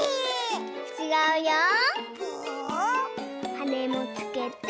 はねもつけて。